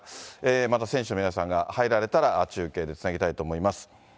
また選手の皆さんが入られたら、中継でつなぎたいと思います。